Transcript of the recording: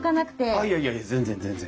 あっいやいや全然全然。